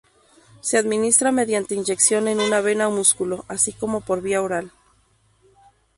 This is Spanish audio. Se administra mediante inyección en una vena o músculo, así como por vía oral.